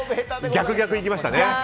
逆、逆にいきましたね。